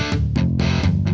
aku mau ke sana